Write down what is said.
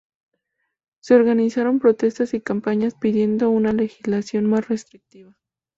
Se organizaron protestas y campañas pidiendo una legislación más restrictiva.